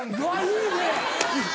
いいね！